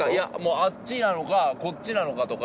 あっちなのかこっちなのかとか。